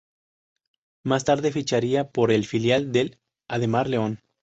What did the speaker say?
Más tarde ficharía por el filial del Ademar León.